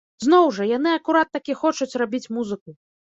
Зноў жа, яны акурат такі хочуць рабіць музыку.